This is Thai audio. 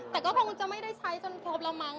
แต่ก็คงจะไม่ได้ใช้จนครบแล้วมั้ง